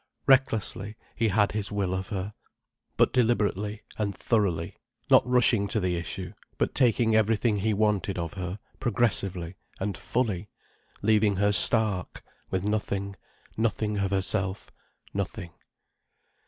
Recklessly, he had his will of her—but deliberately, and thoroughly, not rushing to the issue, but taking everything he wanted of her, progressively, and fully, leaving her stark, with nothing, nothing of herself—nothing.